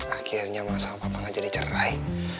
akhirnya mau sama papa gak jadi cerai